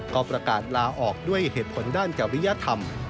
ก็ประกาศลาออกด้วยเหตุผลด้านจริยธรรม